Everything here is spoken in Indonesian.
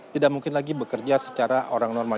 tidak mungkin lagi bekerja secara orang normal